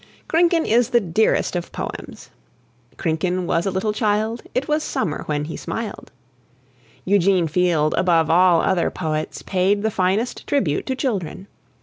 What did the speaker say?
"Krinken" is the dearest of poems. "Krinken was a little child. It was summer when he smiled!" Eugene Field, above all other poets, paid the finest tribute to children.